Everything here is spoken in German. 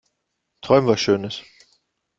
Träum was schönes.